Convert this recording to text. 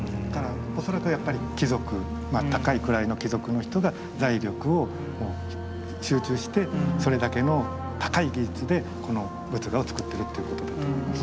恐らくやっぱり貴族高い位の貴族の人が財力を集中してそれだけの高い技術でこの仏画を作っているということだと思います。